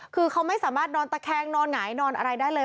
คือเขาไม่สามารถนอนตะแคงนอนหงายนอนอะไรได้เลย